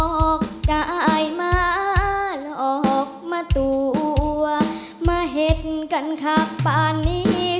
ออกกายมาหลอกมาตัวมาเห็นกันค่ะป่านนี้